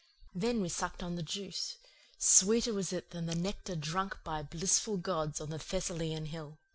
Then we sucked on the juice; sweeter was it than the nectar drunk by blissful gods on the Thessalian hill.